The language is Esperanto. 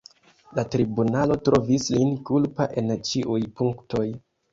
La tribunalo trovis lin kulpa en ĉiuj punktoj.